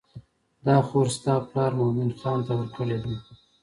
دا خور ستا پلار مومن خان ته ورکړې ده.